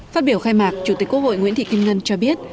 phát biểu khai mạc chủ tịch quốc hội nguyễn thị kim ngân cho biết